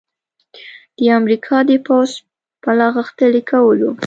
د امریکا د پوځ په لاغښتلي کولو